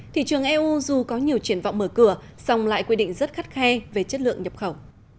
thị trường eu dù có nhiều triển vọng mở cửa song lại quy định rất khắt khe về chất lượng nhập khẩu